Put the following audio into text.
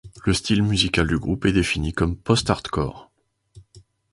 Le style musical du groupe est défini comme post-hardcore.